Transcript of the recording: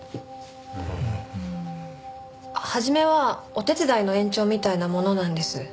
初めはお手伝いの延長みたいなものなんです。